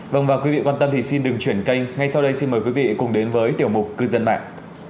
vâng và quý vị quan tâm thì xin đừng chuyển kênh ngay sau đây xin mời quý vị cùng đến với tiểu mục cư dân mạng